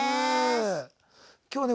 今日はね